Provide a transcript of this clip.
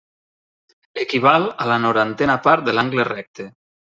Equival a la norantena part de l'angle recte.